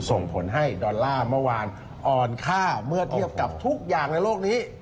ส่งผลให้ดอลลาร์เมื่อวานอ่อนค่าเมื่อเทียบกับทุกอย่างในโลกนี้